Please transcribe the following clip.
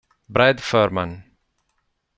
Brad Furman